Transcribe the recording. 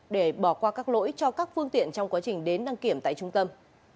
để bỏ qua các lỗi cho các phương tiện trong quá trình đến đăng kiểm tại trung tâm